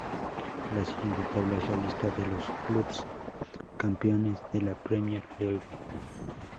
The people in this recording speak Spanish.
La siguiente tabla es la lista de los clubes campeones de la Premier League.